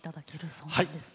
そうなんですね。